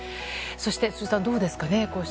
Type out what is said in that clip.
そして辻さん、どうですかね。